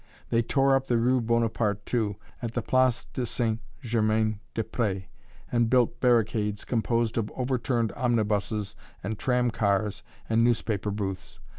They tore up the rue Bonaparte, too, at the Place St. Germain des Prés, and built barricades, composed of overturned omnibuses and tramcars and newspaper booths.